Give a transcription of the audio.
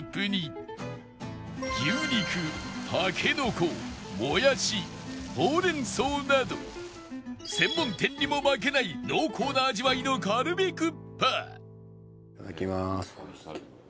牛肉たけのこもやしほうれん草など専門店にも負けない濃厚な味わいのカルビクッパいただきまーす。